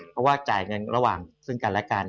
เพราะจายเงินระหว่างสร้างการ